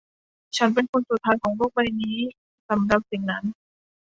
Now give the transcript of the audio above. ฉันเป็นคนสุดท้ายของโลกใบนี้สำหรับสิ่งนั้น